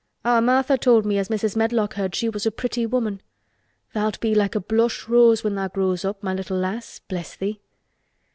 Our Martha told me as Mrs. Medlock heard she was a pretty woman. Tha'lt be like a blush rose when tha' grows up, my little lass, bless thee."